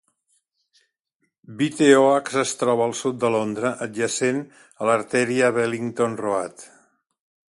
White Oaks es troba al sud de Londres, adjacent a l'artèria Wellington Road.